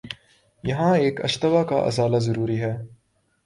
یہاں ایک اشتباہ کا ازالہ ضروری ہے۔